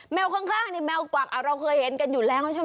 แมวข้างแมวกวักเราเคยเห็นอยู่แล้วใช่ไหม